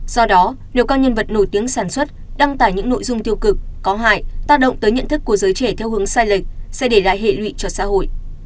do đó nếu các nhân vật nổi tiếng sản xuất đăng tải những nội dung tiêu cực có hại tác động tới nhận thức của giới trẻ theo hướng sai lệch sẽ để lại hệ lụy cho xã hội